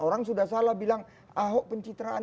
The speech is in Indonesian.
orang sudah salah bilang ahok pencitraan